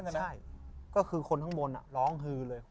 ก็ได้ก็คือคนข้างบนร้องฮือเลย